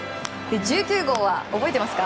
１９号は覚えていますか？